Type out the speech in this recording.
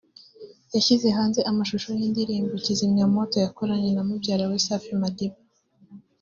yashyize hanze amashusho y’indirimbo ‘Kizimyamwoto’ yakoranye na mubyara we Safi Madiba